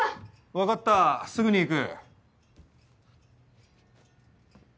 分かったすぐに行く。